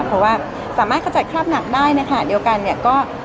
เพราะว่าสามารถขจัดคราบหนักได้ในขณะเดียวกันเนี่ยก็